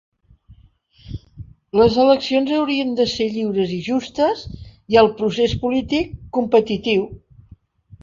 Les eleccions haurien de ser lliures i justes i el procés polític, competitiu.